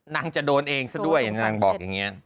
นางจะโดนเองซะด้วย